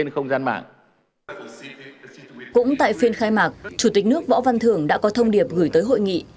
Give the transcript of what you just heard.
khi khai mạc chủ tịch nước võ văn thưởng đã có thông điệp gửi tới hội nghị